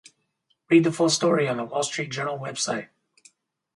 Read the full story on the Wall Street Journal website.